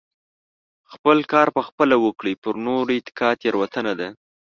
خپل کار په خپله وکړئ پر نورو اتکا تيروتنه ده .